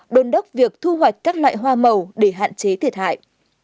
đôn đốc việc thu hoạch các loại hoa màu để hạn chế thiệt hại